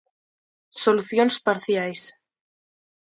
Solucións parciais.